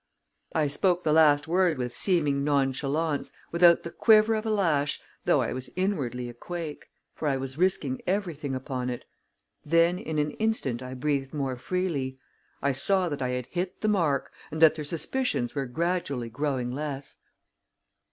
I spoke the last word with seeming nonchalance, without the quiver of a lash, though I was inwardly a quake; for I was risking everything upon it. Then, in an instant I breathed more freely. I saw that I had hit the mark, and that their suspicions were gradually growing less.